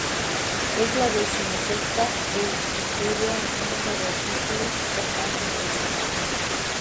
Es la decimosexta Wikipedia en número de artículos, con más de novecientos mil.